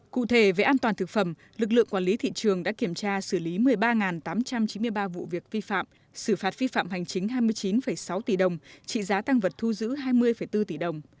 cụ thể về an toàn thực phẩm lực lượng quản lý thị trường đã kiểm tra xử lý một mươi ba tám trăm chín mươi ba vụ việc vi phạm xử phạt vi phạm hành chính hai mươi chín sáu tỷ đồng trị giá tăng vật thu giữ hai mươi bốn tỷ đồng